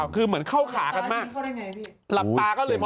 คือเหมือนเข้าขากันมาก